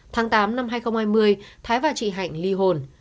tháng tám năm hai nghìn hai mươi thái và chị hạnh ly hồn